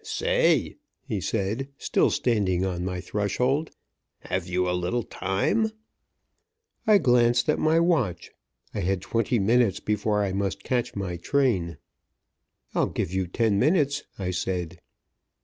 "Say," he said, still standing on my threshold, "have you a little time?" I glanced at my watch. I had twenty minutes before I must catch my train. "I'll give you ten minutes," I said.